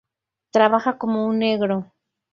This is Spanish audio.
Trabaja como un negro